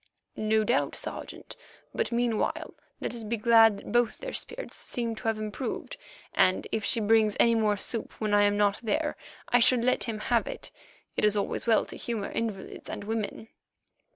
"No doubt, Sergeant. But meanwhile let us be glad that both their spirits seem to have improved, and if she brings any more soup when I am not there, I should let him have it. It is always well to humour invalids and women."